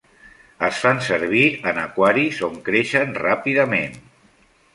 Es fan servir en aquaris on creixen ràpidament.